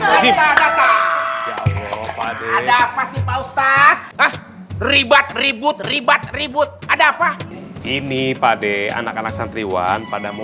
ada apa sih pak ustadz ribet ribut ribet ribut ada apa ini pade anak anak santriwan pada mau